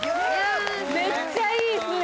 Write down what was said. めっちゃいいっすね！